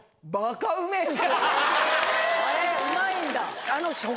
あれうまいんだ？